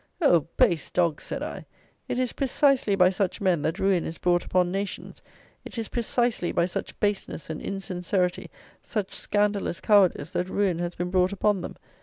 "Oh, base dogs!" said I: "it is precisely by such men that ruin is brought upon nations; it is precisely by such baseness and insincerity, such scandalous cowardice, that ruin has been brought upon them.